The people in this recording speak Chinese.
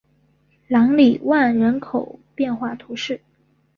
朗里万人口变化图示